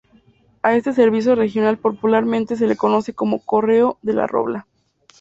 A este servicio regional popularmente se le conoce como Correo de la Robla.